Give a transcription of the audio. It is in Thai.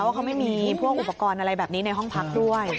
ว่าเขาไม่มีพวกอุปกรณ์อะไรแบบนี้ในห้องพักด้วย